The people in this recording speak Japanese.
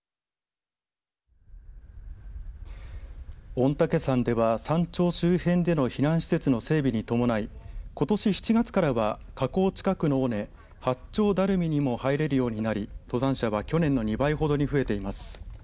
御嶽山では山頂周辺での避難施設の整備に伴いことし７月からは火口近くの尾根八丁ダルミにも入れるようになり登山者は去年の２倍ほどに増えています。